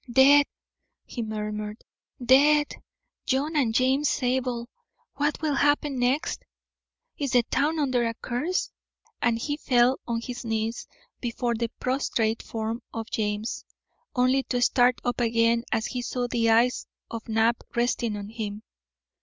"Dead!" he murmured. "Dead! John and James Zabel. What will happen next? Is the town under a curse?" And he fell on his knees before the prostrate form of James, only to start up again as he saw the eyes of Knapp resting on him.